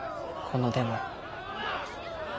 このデモ。